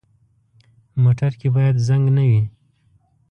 موټر کې باید زنګ نه وي.